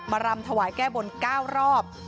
รำถวายแก้บน๙รอบ